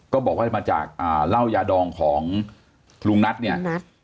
ก็บอกว่ามาจากเหล้ายาดองของลุงนัทเนี่ย